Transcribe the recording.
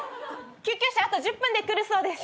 救急車あと１０分で来るそうです。